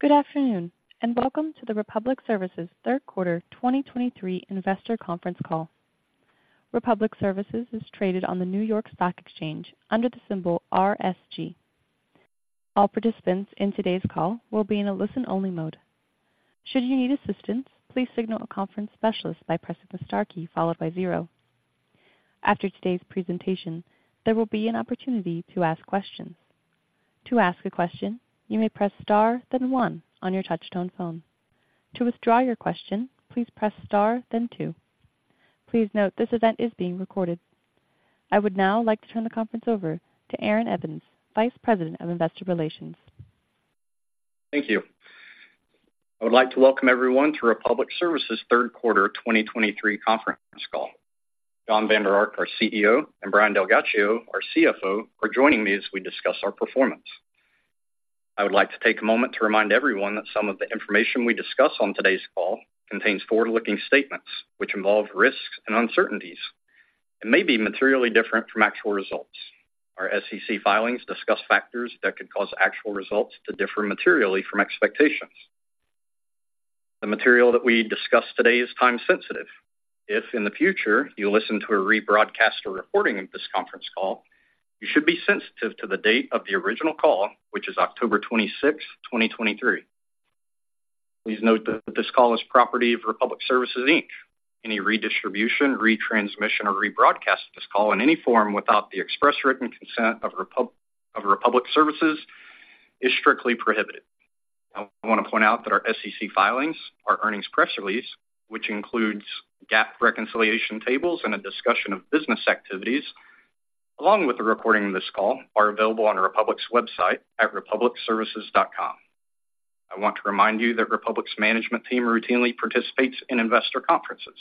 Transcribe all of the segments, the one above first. Good afternoon, and welcome to the Republic Services third quarter 2023 investor conference call. Republic Services is traded on the New York Stock Exchange under the symbol RSG. All participants in today's call will be in a listen-only mode. Should you need assistance, please signal a conference specialist by pressing the star key followed by zero. After today's presentation, there will be an opportunity to ask questions. To ask a question, you may press Star, then one on your touchtone phone. To withdraw your question, please press Star, then two. Please note, this event is being recorded. I would now like to turn the conference over to Aaron Evans, Vice President of Investor Relations. Thank you. I would like to welcome everyone to Republic Services third quarter 2023 conference call. Jon Vander Ark, our CEO, and Brian DelGhiaccio, our CFO, are joining me as we discuss our performance. I would like to take a moment to remind everyone that some of the information we discuss on today's call contains forward-looking statements, which involve risks and uncertainties and may be materially different from actual results. Our SEC filings discuss factors that could cause actual results to differ materially from expectations. The material that we discuss today is time-sensitive. If, in the future, you listen to a rebroadcast or recording of this conference call, you should be sensitive to the date of the original call, which is October twenty-sixth, 2023. Please note that this call is property of Republic Services, Inc. Any redistribution, retransmission, or rebroadcast of this call in any form without the express written consent of Republic Services is strictly prohibited. I want to point out that our SEC filings, our earnings press release, which includes GAAP reconciliation tables and a discussion of business activities, along with the recording of this call, are available on Republic's website at republicservices.com. I want to remind you that Republic's management team routinely participates in investor conferences.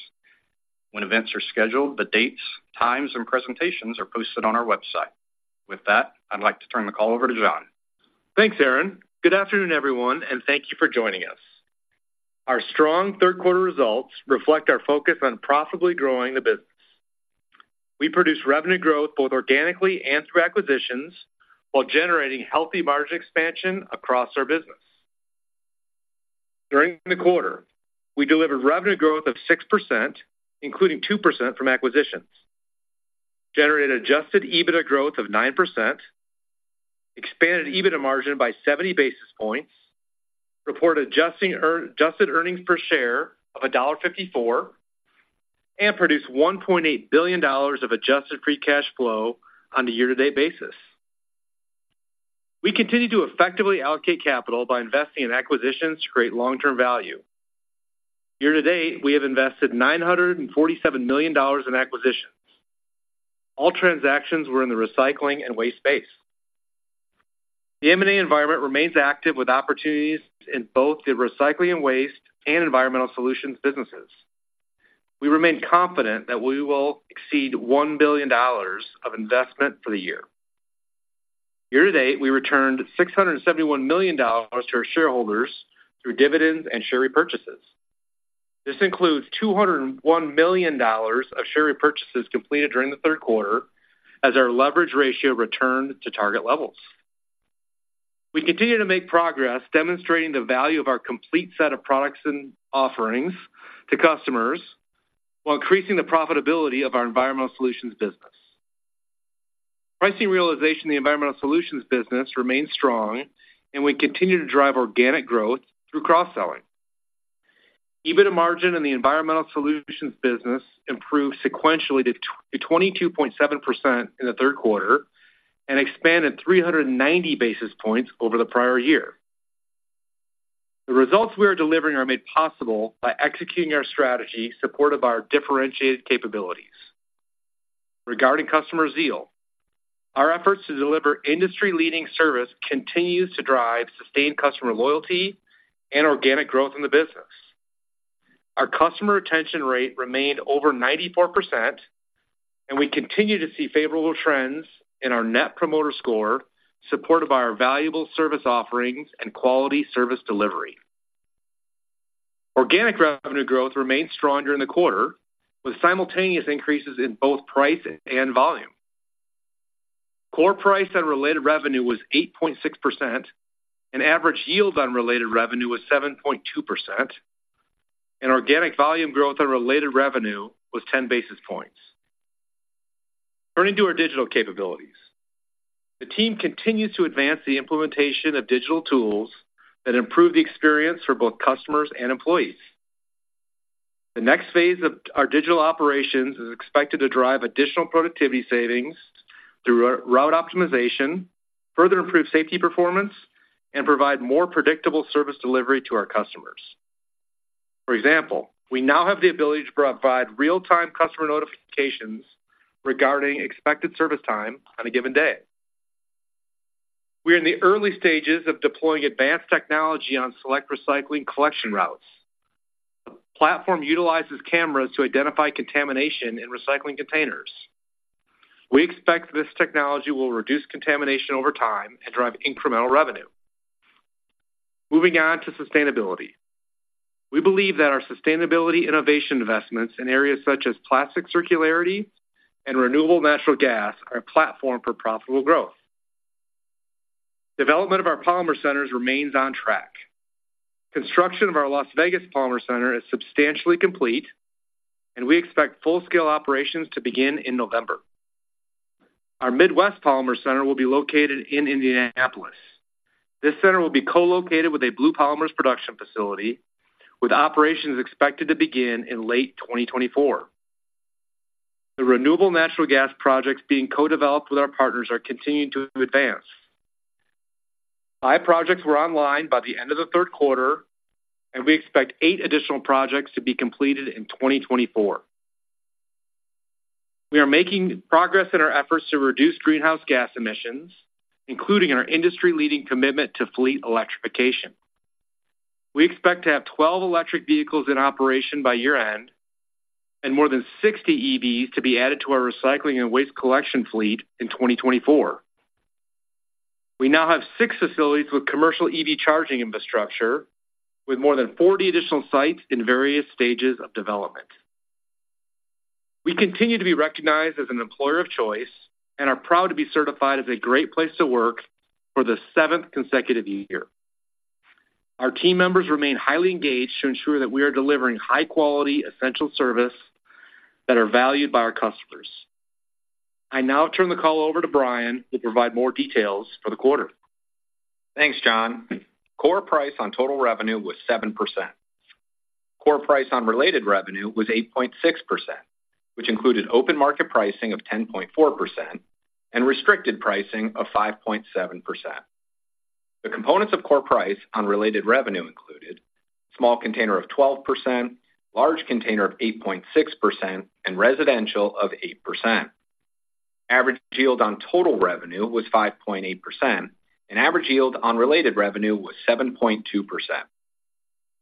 When events are scheduled, the dates, times, and presentations are posted on our website. With that, I'd like to turn the call over to Jon. Thanks, Aaron. Good afternoon, everyone, and thank you for joining us. Our strong third quarter results reflect our focus on profitably growing the business. We produced revenue growth, both organically and through acquisitions, while generating healthy margin expansion across our business. During the quarter, we delivered revenue growth of 6%, including 2% from acquisitions, generated adjusted EBITDA growth of 9%, expanded EBITDA margin by 70 basis points, reported adjusted earnings per share of $1.54, and produced $1.8 billion of adjusted free cash flow on a year-to-date basis. We continue to effectively allocate capital by investing in acquisitions to create long-term value. Year to date, we have invested $947 million in acquisitions. All transactions were in the recycling and waste space. The M&A environment remains active, with opportunities in both the recycling and waste and environmental solutions businesses. We remain confident that we will exceed $1 billion of investment for the year. Year to date, we returned $671 million to our shareholders through dividends and share repurchases. This includes $201 million of share repurchases completed during the third quarter as our leverage ratio returned to target levels. We continue to make progress, demonstrating the value of our complete set of products and offerings to customers while increasing the profitability of our environmental solutions business. Pricing realization in the environmental solutions business remains strong, and we continue to drive organic growth through cross-selling. EBITDA margin in the environmental solutions business improved sequentially to 22.7% in the third quarter and expanded 390 basis points over the prior year. The results we are delivering are made possible by executing our strategy supportive of our differentiated capabilities. Regarding customer zeal, our efforts to deliver industry-leading service continues to drive sustained customer loyalty and organic growth in the business. Our customer retention rate remained over 94%, and we continue to see favorable trends in our Net Promoter Score, supportive of our valuable service offerings and quality service delivery. Organic revenue growth remained strong during the quarter, with simultaneous increases in both price and volume. Core price on related revenue was 8.6%, and Average Yield on related revenue was 7.2%, and organic volume growth on related revenue was 10 basis points. Turning to our digital capabilities. The team continues to advance the implementation of digital tools that improve the experience for both customers and employees. The next phase of our digital operations is expected to drive additional productivity savings through route optimization, further improve safety performance, and provide more predictable service delivery to our customers. For example, we now have the ability to provide real-time customer notifications regarding expected service time on a given day. We are in the early stages of deploying advanced technology on select recycling collection routes. The platform utilizes cameras to identify contamination in recycling containers. We expect this technology will reduce contamination over time and drive incremental revenue. Moving on to sustainability. We believe that our sustainability innovation investments in areas such as plastic circularity and renewable natural gas are a platform for profitable growth. Development of our Polymer Centers remains on track. Construction of our Las Vegas Polymer Center is substantially complete, and we expect full-scale operations to begin in November. Our Midwest Polymer Center will be located in Indianapolis. This center will be co-located with a Blue Polymers production facility, with operations expected to begin in late 2024. The renewable natural gas projects being co-developed with our partners are continuing to advance. Five projects were online by the end of the third quarter, and we expect eight additional projects to be completed in 2024. We are making progress in our efforts to reduce greenhouse gas emissions, including our industry-leading commitment to fleet electrification. We expect to have 12 electric vehicles in operation by year-end and more than 60 EVs to be added to our recycling and waste collection fleet in 2024. We now have 6 facilities with commercial EV charging infrastructure, with more than 40 additional sites in various stages of development. We continue to be recognized as an employer of choice and are proud to be certified as a Great Place to Work for the 7th consecutive year. Our team members remain highly engaged to ensure that we are delivering high-quality, essential service that are valued by our customers. I now turn the call over to Brian, who will provide more details for the quarter. Thanks, Jon. Core Price on total revenue was 7%. Core Price on related revenue was 8.6%, which included open market pricing of 10.4% and restricted pricing of 5.7%. The components of Core Price on related revenue included small container of 12%, large container of 8.6%, and residential of 8%. Average Yield on total revenue was 5.8%, and Average Yield on related revenue was 7.2%.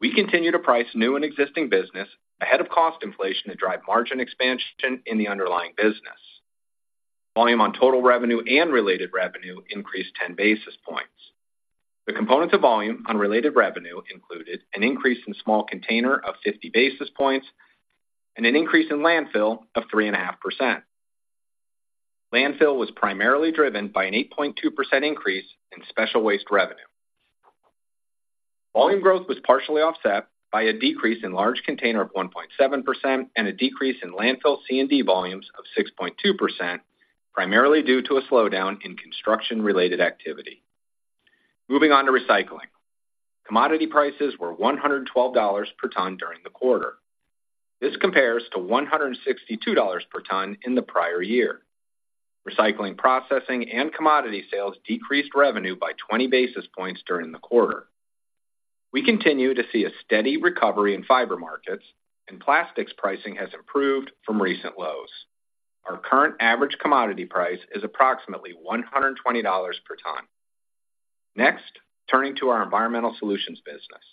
We continue to price new and existing business ahead of cost inflation to drive margin expansion in the underlying business. Volume on total revenue and related revenue increased 10 basis points. The components of volume on related revenue included an increase in small container of 50 basis points and an increase in landfill of 3.5%. Landfill was primarily driven by an 8.2% increase in special waste revenue. Volume growth was partially offset by a decrease in large container of 1.7% and a decrease in landfill C&D volumes of 6.2%, primarily due to a slowdown in construction-related activity. Moving on to recycling. Commodity prices were $112 per ton during the quarter. This compares to $162 per ton in the prior year. Recycling, processing and commodity sales decreased revenue by 20 basis points during the quarter. We continue to see a steady recovery in fiber markets, and plastics pricing has improved from recent lows. Our current average commodity price is approximately $120 per ton. Next, turning to our environmental solutions business.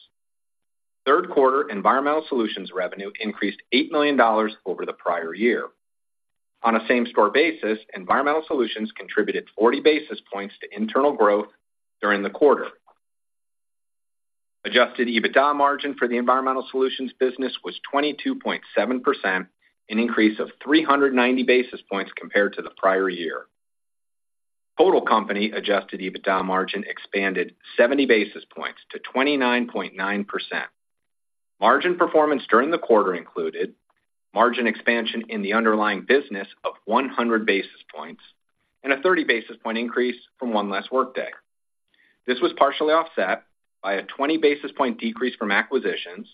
Third quarter environmental solutions revenue increased $8 million over the prior year. On a same-store basis, environmental solutions contributed 40 basis points to internal growth during the quarter. Adjusted EBITDA margin for the environmental solutions business was 22.7%, an increase of 390 basis points compared to the prior year. Total company adjusted EBITDA margin expanded 70 basis points to 29.9%. Margin performance during the quarter included margin expansion in the underlying business of 100 basis points and a 30 basis point increase from one less workday. This was partially offset by a 20 basis point decrease from acquisitions,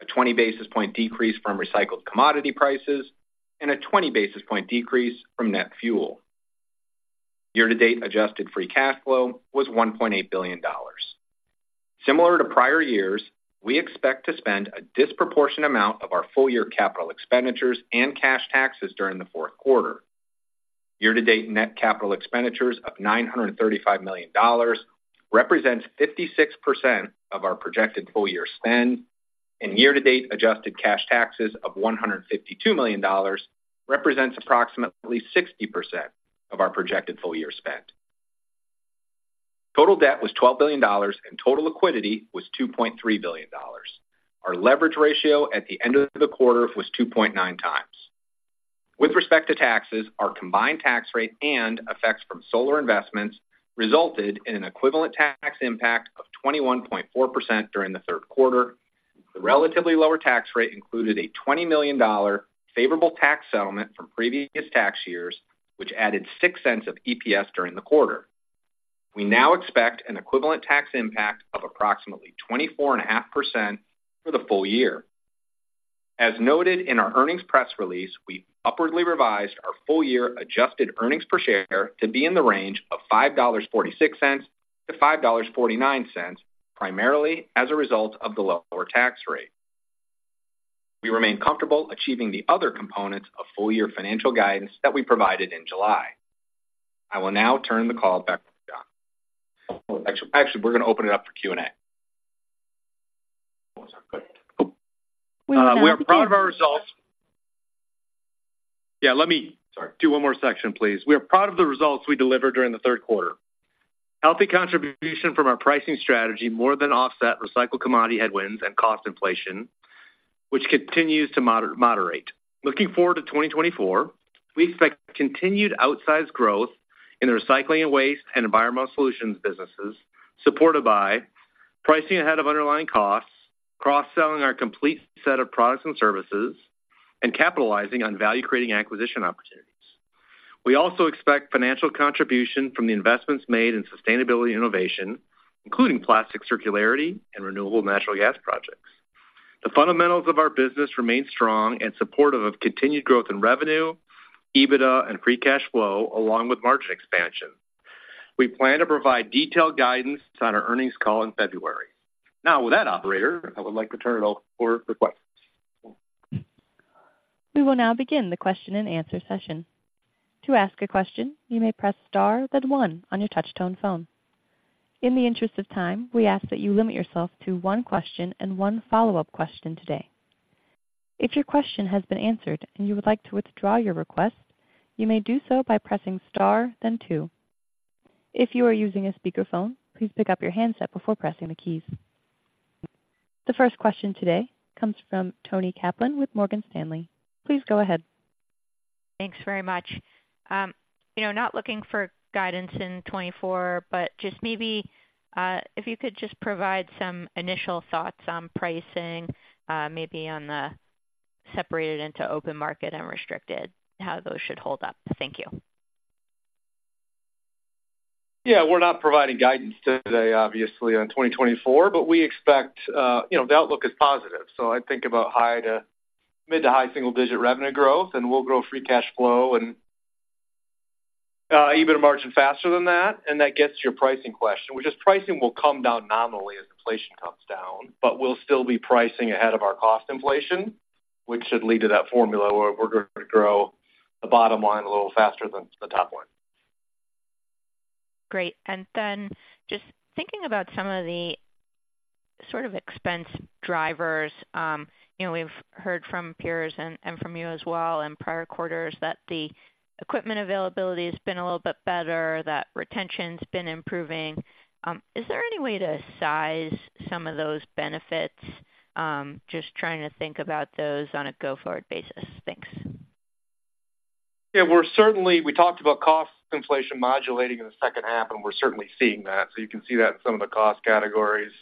a 20 basis point decrease from recycled commodity prices, and a 20 basis point decrease from net fuel. Year-to-date adjusted free cash flow was $1.8 billion. Similar to prior years, we expect to spend a disproportionate amount of our full-year capital expenditures and cash taxes during the fourth quarter. Year-to-date net capital expenditures of $935 million represents 56% of our projected full-year spend, and year-to-date adjusted cash taxes of $152 million represents approximately 60% of our projected full-year spend. Total debt was $12 billion, and total liquidity was $2.3 billion. Our leverage ratio at the end of the quarter was 2.9x. With respect to taxes, our combined tax rate and effects from solar investments resulted in an equivalent tax impact of 21.4% during the third quarter. The relatively lower tax rate included a $20 million favorable tax settlement from previous tax years, which added $0.06 of EPS during the quarter. We now expect an equivalent tax impact of approximately 24.5% for the full year. As noted in our earnings press release, we upwardly revised our full-year adjusted earnings per share to be in the range of $5.46-$5.49, primarily as a result of the lower tax rate. We remain comfortable achieving the other components of full-year financial guidance that we provided in July. I will now turn the call back to Jon. Actually, we're going to open it up for Q&A. We are proud of the results we delivered during the third quarter. Healthy contribution from our pricing strategy more than offset recycled commodity headwinds and cost inflation, which continues to moderate. Looking forward to 2024, we expect continued outsized growth in the recycling and waste and environmental solutions businesses, supported by pricing ahead of underlying costs, cross-selling our complete set of products and services, and capitalizing on value-creating acquisition opportunities. We also expect financial contribution from the investments made in sustainability innovation, including plastic circularity and renewable natural gas projects. The fundamentals of our business remain strong and supportive of continued growth in revenue, EBITDA, and free cash flow, along with margin expansion. We plan to provide detailed guidance on our earnings call in February. Now, with that, operator, I would like to turn it over for requests. We will now begin the question-and-answer session. To ask a question, you may press star, then one on your touchtone phone. In the interest of time, we ask that you limit yourself to one question and one follow-up question today. If your question has been answered and you would like to withdraw your request, you may do so by pressing star, then two. If you are using a speakerphone, please pick up your handset before pressing the keys. The first question today comes from Toni Kaplan with Morgan Stanley. Please go ahead. Thanks very much. You know, not looking for guidance in 2024, but just maybe, if you could just provide some initial thoughts on pricing, maybe on the separated into open market and restricted, how those should hold up? Thank you. Yeah, we're not providing guidance today, obviously, on 2024, but we expect, you know, the outlook is positive. So I think about high- to mid- to high single-digit revenue growth, and we'll grow free cash flow and EBITDA margin faster than that, and that gets to your pricing question, which is pricing will come down nominally as inflation comes down, but we'll still be pricing ahead of our cost inflation, which should lead to that formula where we're going to grow the bottom line a little faster than the top line. Great. And then just thinking about some of the sort of expense drivers, you know, we've heard from peers and from you as well in prior quarters, that the equipment availability has been a little bit better, that retention's been improving. Is there any way to size some of those benefits? Just trying to think about those on a go-forward basis? Thanks. Yeah, we're certainly... We talked about cost inflation modulating in the second half, and we're certainly seeing that. So you can see that in some of the cost categories,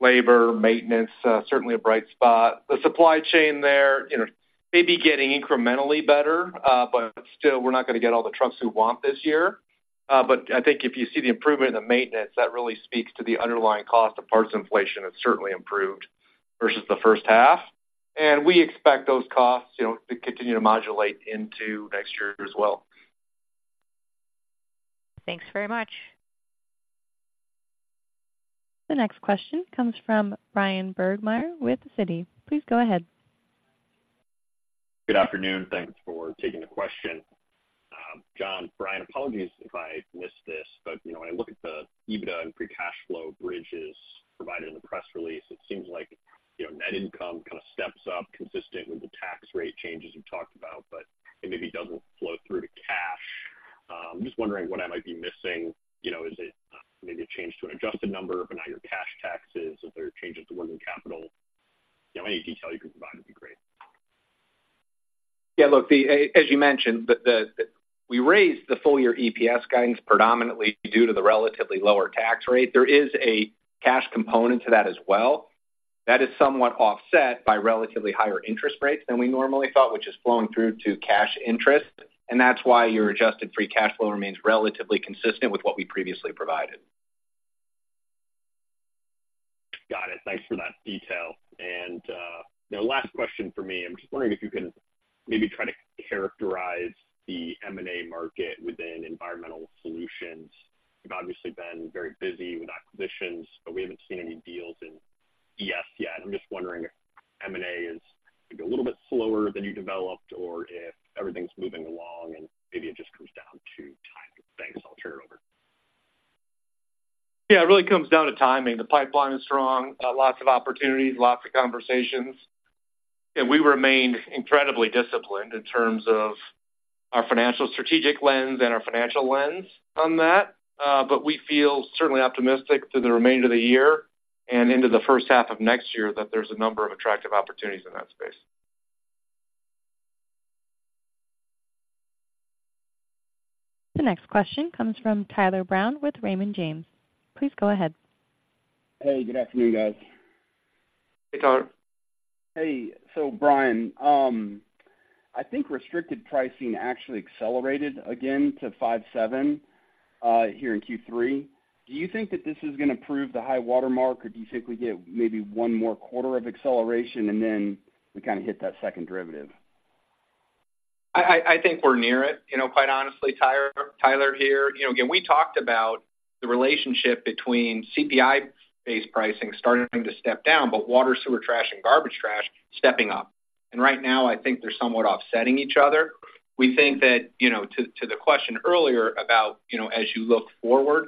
labor, maintenance, certainly a bright spot. The supply chain there, you know, may be getting incrementally better, but still, we're not going to get all the trucks we want this year. But I think if you see the improvement in the maintenance, that really speaks to the underlying cost of parts inflation; it's certainly improved versus the first half, and we expect those costs, you know, to continue to modulate into next year as well. Thanks very much. The next question comes from Bryan Burgmeier with Citi. Please go ahead. Good afternoon. Thanks for taking the question. Jon, Brian, apologies if I missed this, but, you know, when I look at the EBITDA and free cash flow bridges provided in the press release, it seems like, you know, net income kind of steps up consistent with the tax rate changes you talked about, but it maybe doesn't flow through to cash. I'm just wondering what I might be missing, you know, is it, maybe a change to an adjusted number, but now your cash taxes, are there changes to working capital? You know, any detail you can provide would be great? Yeah, look, as you mentioned, we raised the full year EPS guidance predominantly due to the relatively lower tax rate. There is a cash component to that as well. That is somewhat offset by relatively higher interest rates than we normally thought, which is flowing through to cash interest, and that's why your adjusted free cash flow remains relatively consistent with what we previously provided. Got it. Thanks for that detail. And, now last question for me. I'm just wondering if you can maybe try to characterize the M&A market within environmental solutions. You've obviously been very busy with acquisitions, but we haven't seen any deals in ES yet. I'm just wondering if M&A is maybe a little bit slower than you developed or if everything's moving along and maybe it just comes down to time. Thanks. I'll turn it over. Yeah, it really comes down to timing. The pipeline is strong, lots of opportunities, lots of conversations, and we remain incredibly disciplined in terms of our financial strategic lens and our financial lens on that. But we feel certainly optimistic through the remainder of the year and into the first half of next year that there's a number of attractive opportunities in that space. The next question comes from Tyler Brown with Raymond James. Please go ahead. Hey, good afternoon, guys. Hey, Tyler. Hey, so Brian, I think restricted pricing actually accelerated again to 5.7 here in Q3. Do you think that this is going to prove the high-water mark, or do you think we get maybe one more quarter of acceleration and then we kind of hit that second derivative? I think we're near it, you know, quite honestly, Tyler here. You know, again, we talked about the relationship between CPI-based pricing starting to step down, but water, sewer, trash, and garbage trash stepping up. Right now, I think they're somewhat offsetting each other. We think that, you know, to the question earlier about, you know, as you look forward,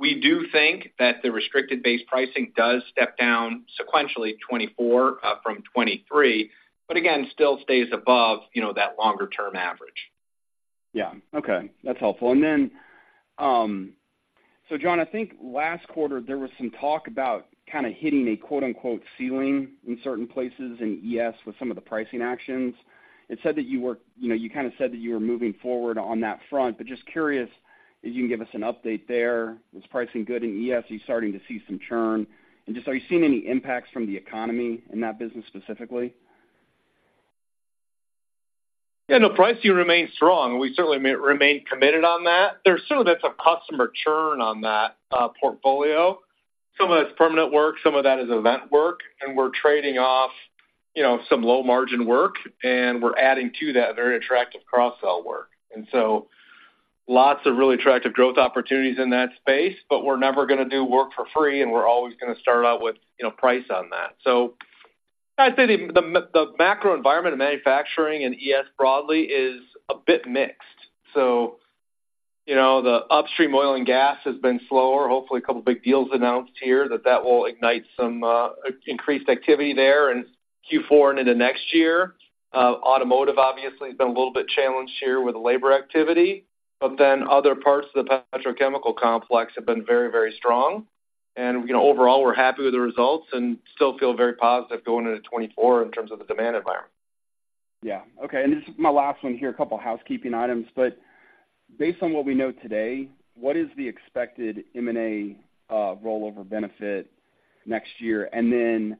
we do think that the restricted base pricing does step down sequentially 2024 from 2023, but again, still stays above, you know, that longer-term average.... Yeah. Okay, that's helpful. And then, so John, I think last quarter, there was some talk about kind of hitting a quote, unquote, "ceiling" in certain places in ES with some of the pricing actions. It said that you were—you know, you kind of said that you were moving forward on that front, but just curious if you can give us an update there. Is pricing good in ES? Are you starting to see some churn? And just, are you seeing any impacts from the economy in that business specifically? Yeah, no, pricing remains strong. We certainly remain committed on that. There's some of it's a customer churn on that portfolio. Some of that's permanent work, some of that is event work, and we're trading off, you know, some low-margin work, and we're adding to that very attractive cross-sell work. And so lots of really attractive growth opportunities in that space, but we're never gonna do work for free, and we're always gonna start out with, you know, price on that. So I'd say the macro environment of manufacturing and ES broadly is a bit mixed. So, you know, the upstream oil and gas has been slower. Hopefully, a couple of big deals announced here that will ignite some increased activity there in Q4 and into next year. Automotive, obviously, has been a little bit challenged here with the labor activity, but then other parts of the petrochemical complex have been very, very strong. And, you know, overall, we're happy with the results and still feel very positive going into 2024 in terms of the demand environment. Yeah. Okay, and this is my last one here, a couple of housekeeping items. But based on what we know today, what is the expected M&A rollover benefit next year? And then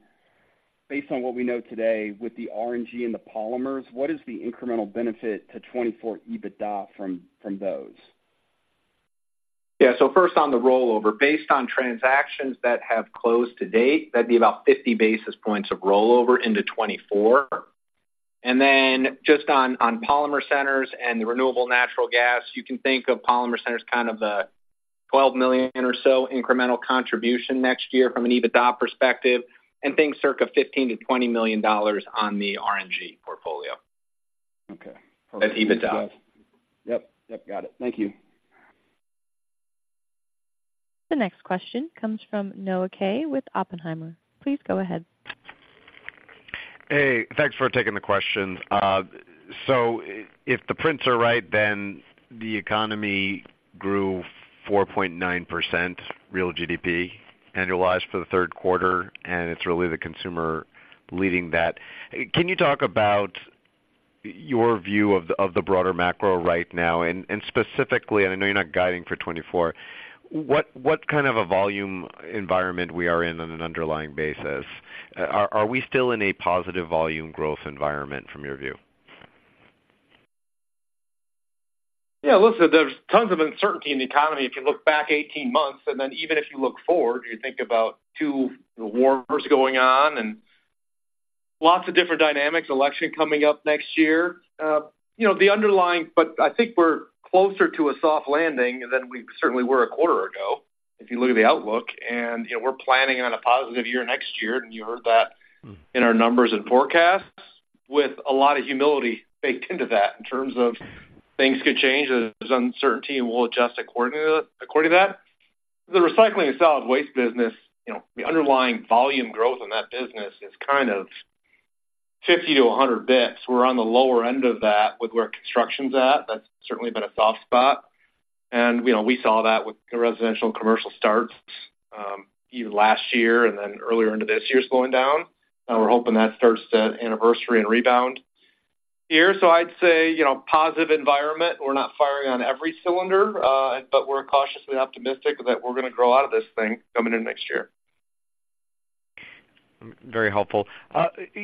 based on what we know today, with the RNG and the Polymers, what is the incremental benefit to 2024 EBITDA from those? Yeah, so first on the rollover. Based on transactions that have closed to date, that'd be about 50 basis points of rollover into 2024. And then just on Polymer Centers and the Renewable Natural Gas, you can think of Polymer Centers kind of the $12 million or so incremental contribution next year from an EBITDA perspective, and think circa $15-$20 million on the RNG portfolio. Okay. That's EBITDA. Yep. Yep. Got it. Thank you. The next question comes from Noah Kaye with Oppenheimer. Please go ahead. Hey, thanks for taking the questions. So if the prints are right, then the economy grew 4.9%, real GDP, annualized for the third quarter, and it's really the consumer leading that. Can you talk about your view of the broader macro right now, and, and specifically, and I know you're not guiding for 2024, what kind of a volume environment we are in on an underlying basis? Are we still in a positive volume growth environment from your view? Yeah, listen, there's tons of uncertainty in the economy. If you look back 18 months, and then even if you look forward, you think about 2 wars going on and lots of different dynamics, election coming up next year. You know, the underlying... But I think we're closer to a soft landing than we certainly were a quarter ago, if you look at the outlook, and, you know, we're planning on a positive year next year, and you heard that- Mm-hmm. In our numbers and forecasts, with a lot of humility baked into that in terms of things could change, there's uncertainty, and we'll adjust according to that, according to that. The recycling and solid waste business, you know, the underlying volume growth in that business is kind of 50-100 basis points. We're on the lower end of that with where construction's at. That's certainly been a soft spot. You know, we saw that with the residential and commercial starts, even last year and then earlier into this year, slowing down. We're hoping that starts to anniversary and rebound here. So I'd say, you know, positive environment. We're not firing on every cylinder, but we're cautiously optimistic that we're gonna grow out of this thing coming in next year. Very helpful.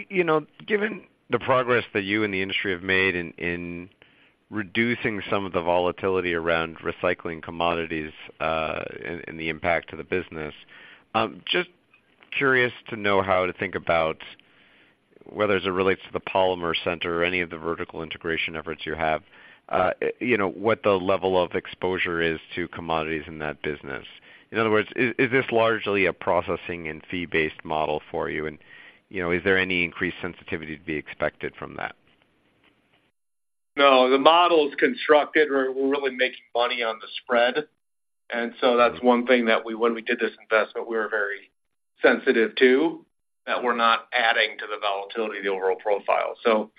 You know, given the progress that you and the industry have made in reducing some of the volatility around recycling commodities, and the impact to the business, just curious to know how to think about whether as it relates to the Polymer Center or any of the vertical integration efforts you have, you know, what the level of exposure is to commodities in that business. In other words, is this largely a processing and fee-based model for you? And, you know, is there any increased sensitivity to be expected from that? No, the model is constructed. We're really making money on the spread, and so that's one thing that, when we did this investment, we were very sensitive to, that we're not adding to the volatility of the overall profile. So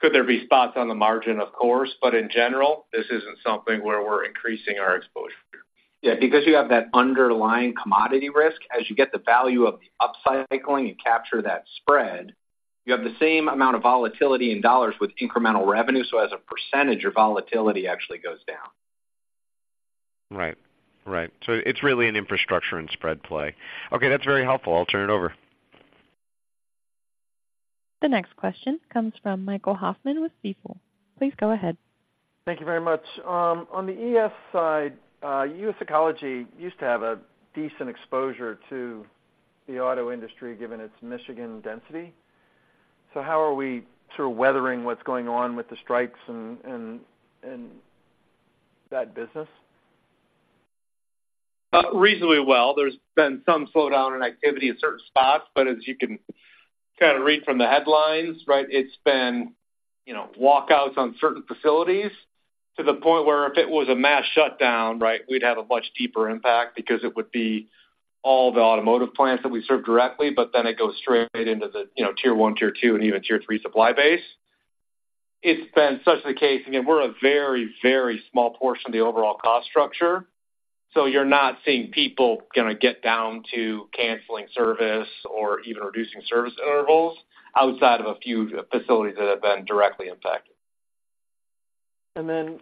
could there be spots on the margin? Of course, but in general, this isn't something where we're increasing our exposure. Yeah, because you have that underlying commodity risk, as you get the value of the upcycling and capture that spread, you have the same amount of volatility in dollars with incremental revenue, so as a percentage, your volatility actually goes down. Right. Right. It's really an infrastructure and spread play. Okay, that's very helpful. I'll turn it over. The next question comes from Michael Hoffman with Stifel. Please go ahead. Thank you very much. On the ES side, US Ecology used to have a decent exposure to the auto industry, given its Michigan density. So how are we sort of weathering what's going on with the strikes in that business? Reasonably well. There's been some slowdown in activity in certain spots, but as you can kind of read from the headlines, right, it's been, you know, walkouts on certain facilities to the point where if it was a mass shutdown, right, we'd have a much deeper impact because it would be-... all the automotive plants that we serve directly, but then it goes straight into the, you know, tier one, tier two, and even tier three supply base. It's been such the case. Again, we're a very, very small portion of the overall cost structure, so you're not seeing people gonna get down to canceling service or even reducing service intervals outside of a few facilities that have been directly impacted. And then,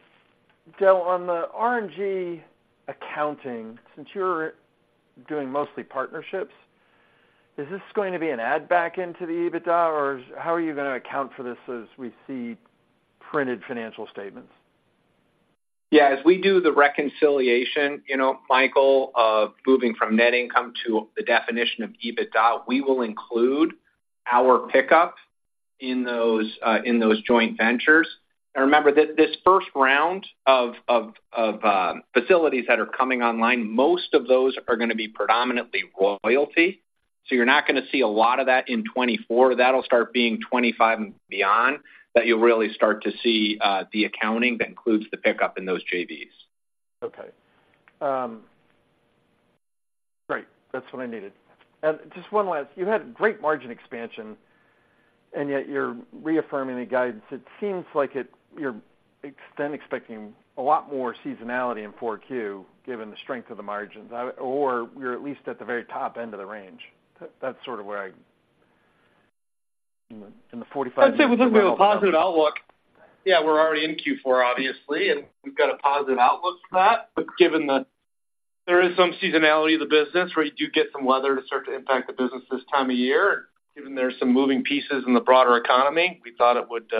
Del, on the RNG accounting, since you're doing mostly partnerships, is this going to be an add back into the EBITDA, or how are you gonna account for this as we see printed financial statements? Yeah, as we do the reconciliation, you know, Michael, of moving from net income to the definition of EBITDA, we will include our pickup in those joint ventures. Now remember, this first round of facilities that are coming online, most of those are gonna be predominantly royalty, so you're not gonna see a lot of that in 2024. That'll start being 2025 and beyond, that you'll really start to see the accounting that includes the pickup in those JVs. Okay. Great, that's what I needed. Just one last: you had great margin expansion, and yet you're reaffirming the guidance. It seems like you're then expecting a lot more seasonality in Q4, given the strength of the margins, or you're at least at the very top end of the range. That's sort of where I... In the 45- I'd say we're looking at a positive outlook. Yeah, we're already in Q4, obviously, and we've got a positive outlook for that. Given there is some seasonality of the business, where you do get some weather to start to impact the business this time of year. Given there are some moving pieces in the broader economy, we thought it would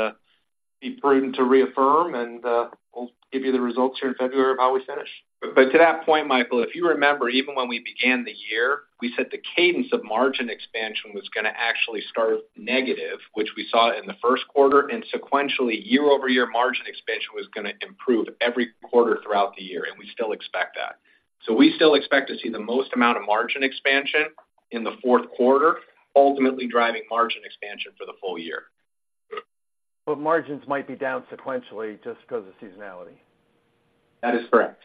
be prudent to reaffirm, and we'll give you the results here in February of how we finish. To that point, Michael, if you remember, even when we began the year, we said the cadence of margin expansion was gonna actually start negative, which we saw in the first quarter, and sequentially, year-over-year margin expansion was gonna improve every quarter throughout the year, and we still expect that. We still expect to see the most amount of margin expansion in the fourth quarter, ultimately driving margin expansion for the full year. Margins might be down sequentially just 'cause of seasonality? That is correct.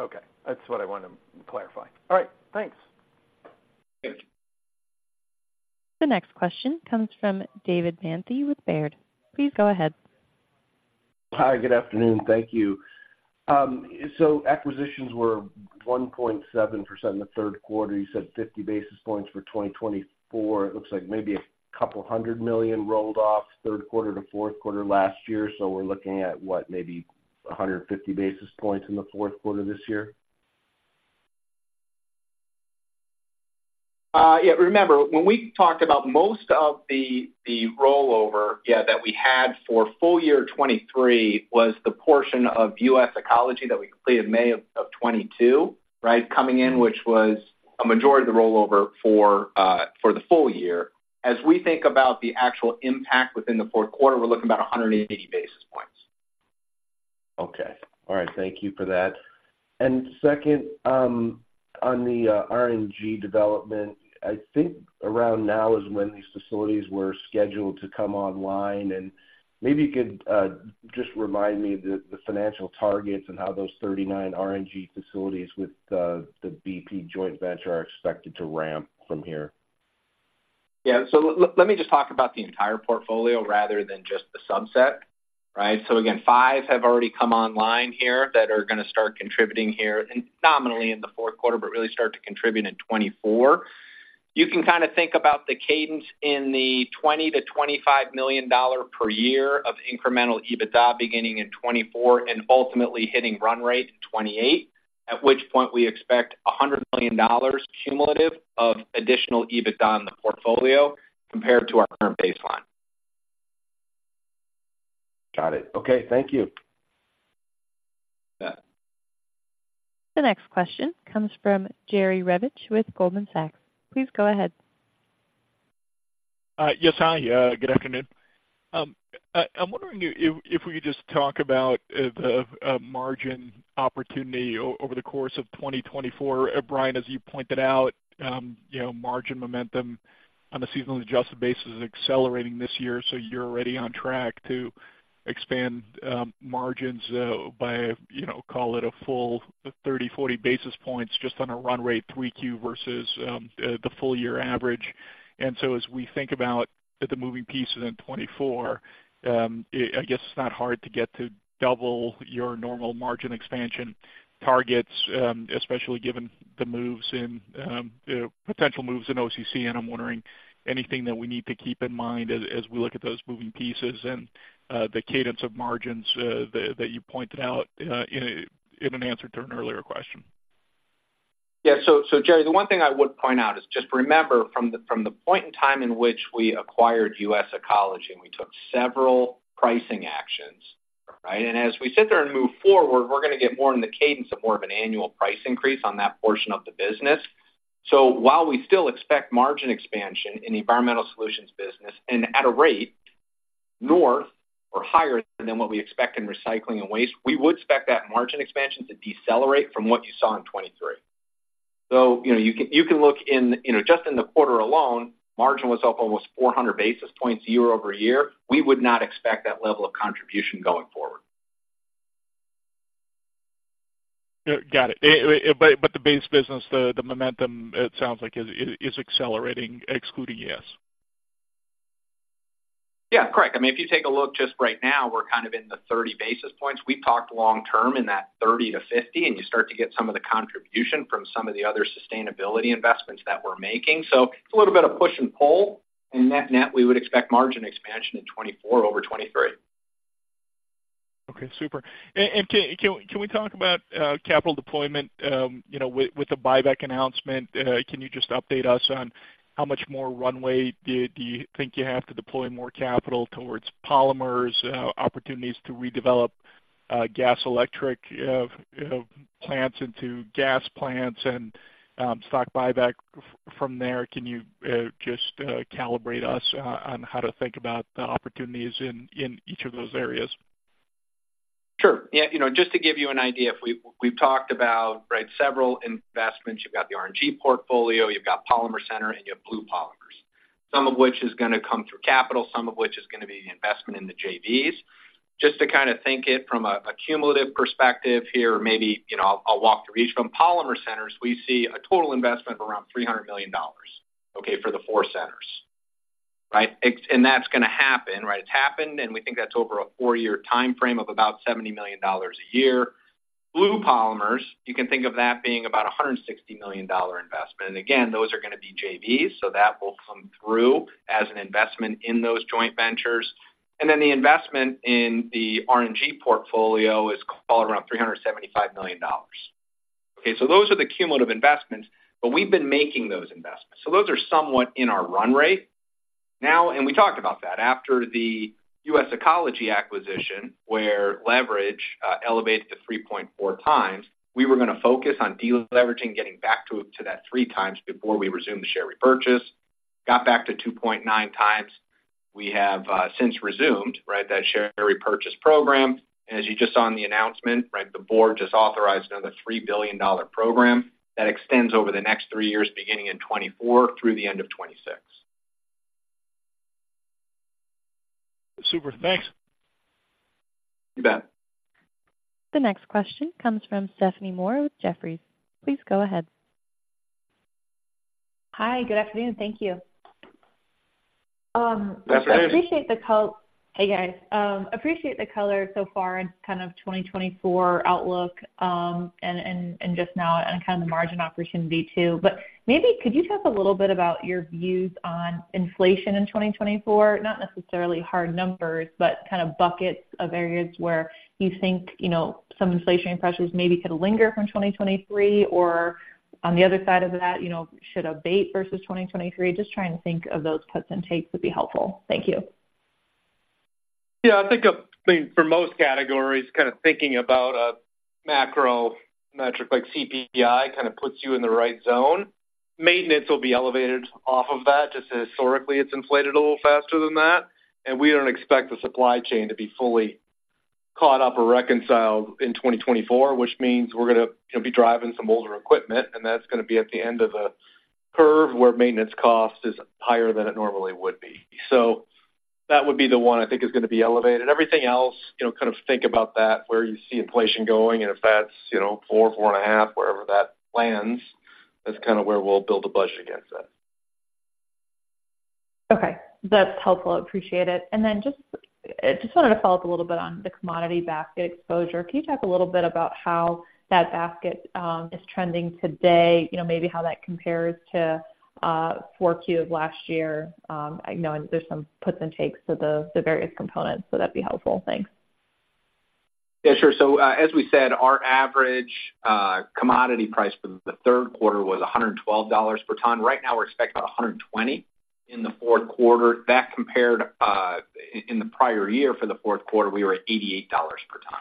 Okay, that's what I wanted to clarify. All right, thanks. Thank you. The next question comes from David Mantey with Baird. Please go ahead. Hi, good afternoon. Thank you. Acquisitions were 1.7% in the third quarter. You said 50 basis points for 2024. It looks like maybe a couple hundred million rolled off third quarter to fourth quarter last year. We're looking at, what, maybe 150 basis points in the fourth quarter this year? Yeah, remember, when we talked about most of the rollover, yeah, that we had for full year 2023 was the portion of US Ecology that we completed May of 2022, right? Coming in, which was a majority of the rollover for the full year. As we think about the actual impact within the fourth quarter, we're looking about 180 basis points. Okay. All right. Thank you for that. And second, on the RNG development, I think around now is when these facilities were scheduled to come online, and maybe you could just remind me the financial targets and how those 39 RNG facilities with the BP joint venture are expected to ramp from here? Yeah, let me just talk about the entire portfolio rather than just the subset, right? Again, five have already come online here that are gonna start contributing here, and nominally in the fourth quarter, but really start to contribute in 2024. You can kind of think about the cadence in the $20 million-$25 million per year of incremental EBITDA, beginning in 2024 and ultimately hitting run rate in 2028, at which point we expect $100 million cumulative of additional EBITDA in the portfolio compared to our current baseline. Got it. Okay, thank you. Yeah. The next question comes from Jerry Revich with Goldman Sachs. Please go ahead. Yes, hi, good afternoon. I'm wondering if we could just talk about the margin opportunity over the course of 2024. Brian, as you pointed out, you know, margin momentum on a seasonally adjusted basis is accelerating this year, so you're already on track to expand margins by, you know, call it a full 30-40 basis points, just on a run rate 3Q versus the full year average. So as we think about the moving pieces in 2024, I guess it's not hard to get to double your normal margin expansion targets, especially given the moves in potential moves in OCC. And I'm wondering, anything that we need to keep in mind as we look at those moving pieces and the cadence of margins that you pointed out in an answer to an earlier question? Yeah, so, so Jerry, the one thing I would point out is just remember, from the point in time in which we acquired US Ecology, and we took several pricing actions, right? And as we sit there and move forward, we're gonna get more in the cadence of more of an annual price increase on that portion of the business. So while we still expect margin expansion in the environmental solutions business, and at a rate north or higher than what we expect in recycling and waste, we would expect that margin expansion to decelerate from what you saw in 2023. So, you know, you can look in, you know, just in the quarter alone, margin was up almost 400 basis points year-over-year. We would not expect that level of contribution going forward.... Got it. But the base business, the momentum, it sounds like is accelerating, excluding ES? Yeah, correct. I mean, if you take a look just right now, we're kind of in the 30 basis points. We talked long term in that 30-50, and you start to get some of the contribution from some of the other sustainability investments that we're making. So it's a little bit of push and pull, and net-net, we would expect margin expansion in 2024 over 2023. Okay, super. And can we talk about capital deployment, you know, with the buyback announcement? Can you just update us on how much more runway do you think you have to deploy more capital towards Polymers opportunities to redevelop gas electric plants into gas plants and stock buyback from there? Can you just calibrate us on how to think about the opportunities in each of those areas? Sure. Yeah, you know, just to give you an idea, we, we've talked about, right, several investments. You've got the RNG portfolio, you've got Polymer Center, and you have Blue Polymers. Some of which is gonna come through capital, some of which is gonna be the investment in the JVs. Just to kind of think it from a, a cumulative perspective here, maybe, you know, I'll walk through each. From Polymer Centers, we see a total investment of around $300 million, okay? For the four centers, right? Ex- and that's gonna happen, right? It's happened, and we think that's over a four-year timeframe of about $70 million a year. Blue Polymers, you can think of that being about a $160 million investment, and again, those are gonna be JVs, so that will come through as an investment in those joint ventures. And then the investment in the RNG portfolio is all around $375 million. Okay, so those are the cumulative investments, but we've been making those investments, so those are somewhat in our run rate. Now, and we talked about that. After the US Ecology acquisition, where leverage elevated to 3.4 times, we were gonna focus on de-leveraging, getting back to that 3 times before we resumed the share repurchase. Got back to 2.9 times. We have since resumed, right, that share repurchase program. And as you just saw in the announcement, right, the board just authorized another $3 billion program that extends over the next three years, beginning in 2024 through the end of 2026. Super. Thanks. You bet. The next question comes from Stephanie Moore with Jefferies. Please go ahead. Hi, good afternoon. Thank you. Good afternoon. I appreciate the—hey, guys. Appreciate the color so far in kind of 2024 outlook, and just now on kind of the margin opportunity, too. But maybe could you talk a little bit about your views on inflation in 2024? Not necessarily hard numbers, but kind of buckets of areas where you think, you know, some inflationary pressures maybe could linger from 2023, or on the other side of that, you know, should abate versus 2023. Just trying to think of those puts and takes would be helpful. Thank you. Yeah, I think, I mean, for most categories, kind of thinking about a macro metric like CPI, kind of puts you in the right zone. Maintenance will be elevated off of that, just historically, it's inflated a little faster than that, and we don't expect the supply chain to be fully caught up or reconciled in 2024, which means we're gonna, you know, be driving some older equipment, and that's gonna be at the end of a curve where maintenance cost is higher than it normally would be. So that would be the one I think is gonna be elevated. Everything else, you know, kind of think about that, where you see inflation going, and if that's, you know, 4-4.5, wherever that lands, that's kind of where we'll build a budget against that. Okay. That's helpful. I appreciate it. And then just wanted to follow up a little bit on the commodity basket exposure. Can you talk a little bit about how that basket is trending today? You know, maybe how that compares to 4Q of last year. I know there's some puts and takes to the various components, so that'd be helpful. Thanks. Yeah, sure. As we said, our average commodity price for the third quarter was $112 per ton. Right now, we're expecting $120 in the fourth quarter. That compared in the prior year for the fourth quarter, we were at $88 per ton.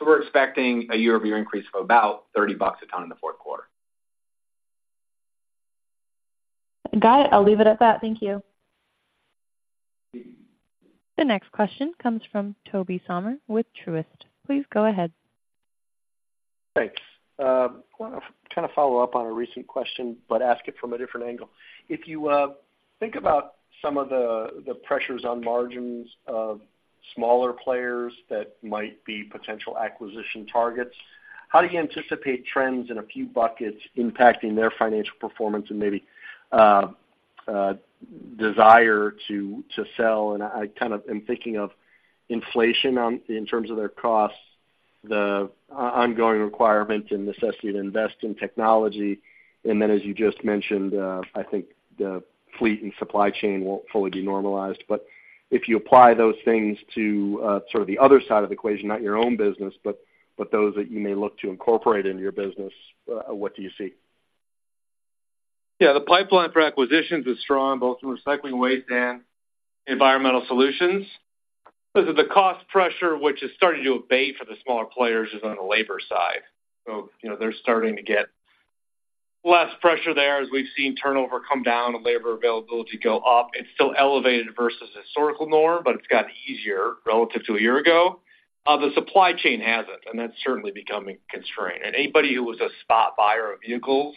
We're expecting a year-over-year increase of about $30 a ton in the fourth quarter. Got it. I'll leave it at that. Thank you. The next question comes from Tobey Sommer with Truist. Please go ahead. Thanks. I want to kind of follow up on a recent question, but ask it from a different angle. If you think about some of the pressures on margins of smaller players that might be potential acquisition targets, how do you anticipate trends in a few buckets impacting their financial performance and maybe desire to sell? I kind of am thinking of inflation in terms of their costs, the ongoing requirement and necessity to invest in technology. As you just mentioned, I think the fleet and supply chain will not fully be normalized. If you apply those things to sort of the other side of the equation, not your own business, but those that you may look to incorporate into your business, what do you see? Yeah, the pipeline for acquisitions is strong, both in recycling waste and environmental solutions. Because the cost pressure, which is starting to abate for the smaller players, is on the labor side. So, you know, they're starting to get less pressure there, as we've seen turnover come down and labor availability go up. It's still elevated versus historical norm, but it's gotten easier relative to a year ago. The supply chain hasn't, and that's certainly becoming constrained. And anybody who was a spot buyer of vehicles- ...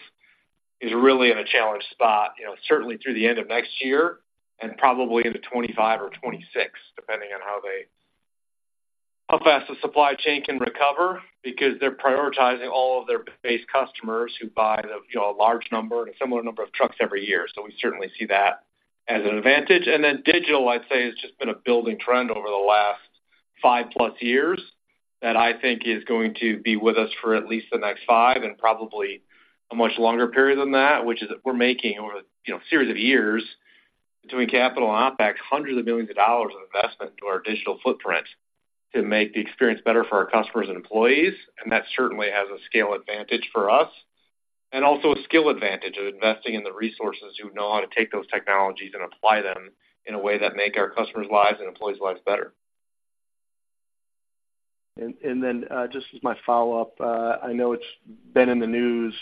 is really in a challenged spot, you know, certainly through the end of next year and probably into 2025 or 2026, depending on how they, how fast the supply chain can recover, because they're prioritizing all of their base customers who buy the, you know, a large number and a similar number of trucks every year. So we certainly see that as an advantage. And then digital, I'd say, has just been a building trend over the last 5+ years that I think is going to be with us for at least the next 5 and probably a much longer period than that, which is we're making over, you know, a series of years between capital and OpEx, $hundreds of millions of investment into our digital footprint to make the experience better for our customers and employees, and that certainly has a scale advantage for us. And also a skill advantage of investing in the resources who know how to take those technologies and apply them in a way that make our customers' lives and employees' lives better. Then, just as my follow-up, I know it's been in the news,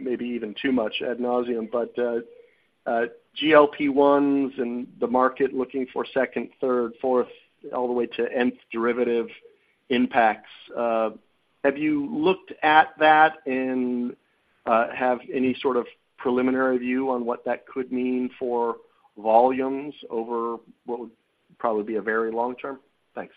maybe even too much ad nauseam, but GLP-1s and the market looking for second, third, fourth, all the way to nth derivative impacts. Have you looked at that and have any sort of preliminary view on what that could mean for volumes over what would probably be a very long term? Thanks.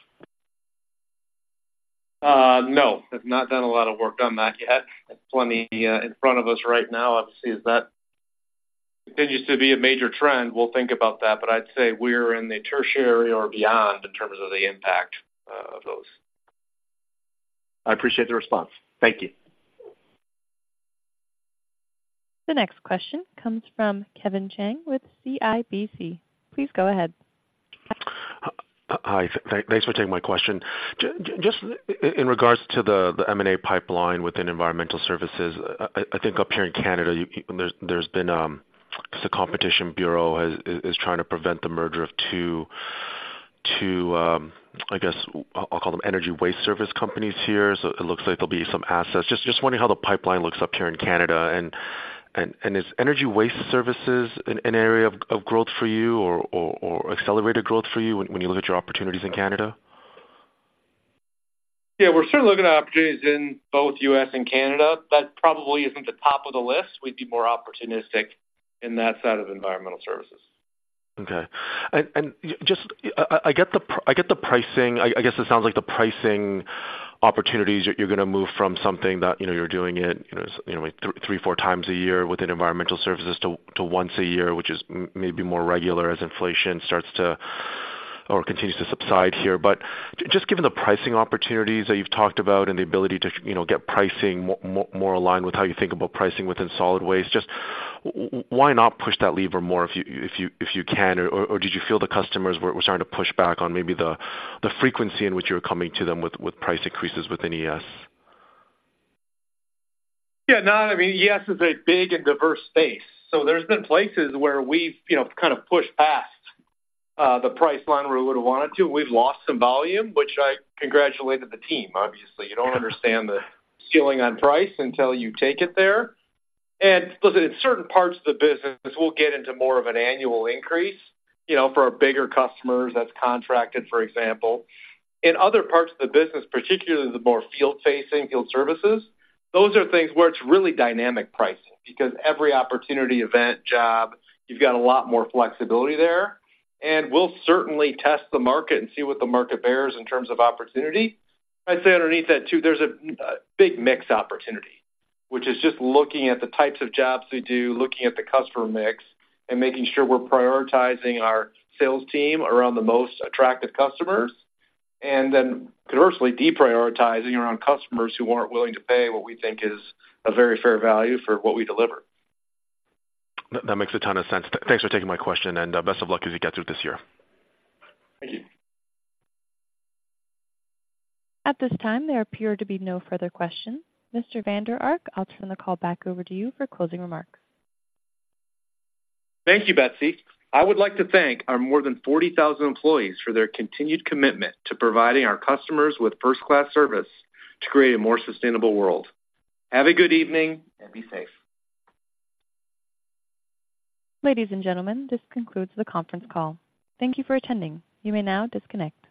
No, I've not done a lot of work on that yet. There's plenty in front of us right now. Obviously, as that continues to be a major trend, we'll think about that, but I'd say we're in the tertiary or beyond in terms of the impact of those. I appreciate the response. Thank you. The next question comes from Kevin Chiang with CIBC. Please go ahead. Hi, thanks for taking my question. Just in regards to the M&A pipeline within environmental services, I think up here in Canada, there's been the Competition Bureau is trying to prevent the merger of two, I guess, I'll call them energy waste service companies here. So it looks like there'll be some assets. Just wondering how the pipeline looks up here in Canada, and is energy waste services an area of growth for you or accelerated growth for you when you look at your opportunities in Canada? Yeah, we're certainly looking at opportunities in both U.S. and Canada. That probably isn't the top of the list. We'd be more opportunistic in that side of environmental services. Okay. I get the pricing. I guess it sounds like the pricing opportunities, you're gonna move from something that, you know, you're doing it, you know, like 3, 4 times a year within environmental services to once a year, which is maybe more regular as inflation starts to or continues to subside here. But just given the pricing opportunities that you've talked about and the ability to, you know, get pricing more aligned with how you think about pricing within solid waste, just why not push that lever more if you can, or did you feel the customers were starting to push back on maybe the frequency in which you were coming to them with price increases within ES? Yeah, no, I mean, ES is a big and diverse space, so there's been places where we've, you know, kind of pushed past the price line where we would've wanted to. We've lost some volume, which I congratulated the team. Obviously, you don't understand the ceiling on price until you take it there. And listen, in certain parts of the business, we'll get into more of an annual increase, you know, for our bigger customers that's contracted, for example. In other parts of the business, particularly the more field-facing, field services, those are things where it's really dynamic pricing because every opportunity, event, job, you've got a lot more flexibility there. And we'll certainly test the market and see what the market bears in terms of opportunity. I'd say underneath that, too, there's a big mix opportunity, which is just looking at the types of jobs we do, looking at the customer mix, and making sure we're prioritizing our sales team around the most attractive customers, and then conversely, deprioritizing around customers who aren't willing to pay what we think is a very fair value for what we deliver. That makes a ton of sense. Thanks for taking my question, and best of luck as you get through this year. Thank you. At this time, there appear to be no further questions. Mr. Vander Ark, I'll turn the call back over to you for closing remarks. Thank you, Betsy. I would like to thank our more than 40,000 employees for their continued commitment to providing our customers with first-class service to create a more sustainable world. Have a good evening, and be safe. Ladies and gentlemen, this concludes the conference call. Thank you for attending. You may now disconnect.